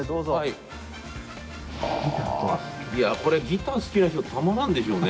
いやこれギター好きな人たまらんでしょうね。